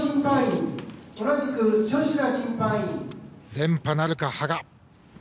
連覇なるか、羽賀。